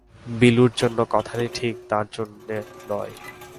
বিলুর জন্য কথাটা ঠিক, তার জন্যে নয়।